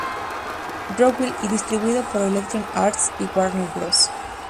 Rowling" y distribuido por "Electronic Arts" y "Warner Bros.